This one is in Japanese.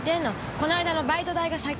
この間のバイト代が先。